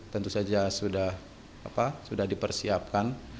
tentu saja sudah dipersiapkan